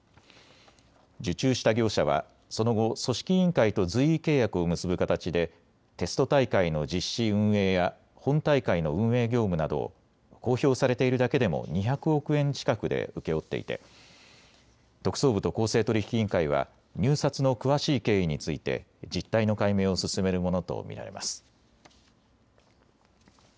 受注した業者はその後、組織委員会と随意契約を結ぶ形でテスト大会の実施運営や本大会の運営業務などを公表されているだけでも２００億円近くで請け負っていて特捜部と公正取引委員会は入札の詳しい経緯について実態の解明を進めるものと見られます。